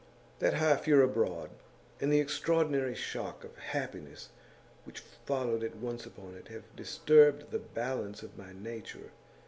'That half year abroad, and the extraordinary shock of happiness which followed at once upon it, have disturbed the balance of my nature.